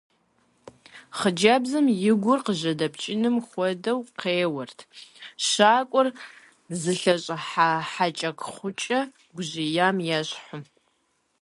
Хъыджэбзым и гур къыжьэдэпкӀыным хуэдэу къеуэрт, щакӀуэр зылъэщӀыхьа хьэкӀэкхъуэкӀэ гужьеям ещхьу.